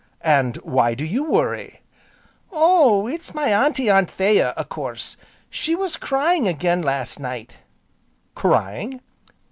"And why do you worry?" "Oh, it's my Auntie Anthea, a course! she was crying again last night " "Crying!"